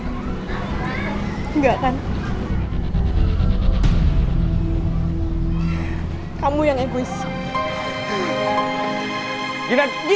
pengalaman aku mungkin saja bisa dihubungi dengan dirimu sendiri